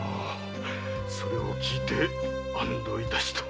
それを聞いて安堵致した。